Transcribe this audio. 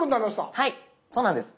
はいそうなんです。